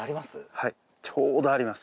はいちょうどあります。